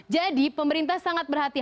jadi pemerintah sangat berhatikan